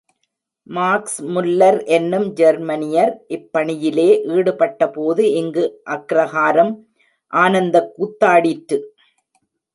Max Muller எனும் ஜெர்மானியர், இப்பணியிலே ஈடுபட்டபோது இங்கு அக்ரகாரம் ஆனந்தக் கூத்தாடிற்று!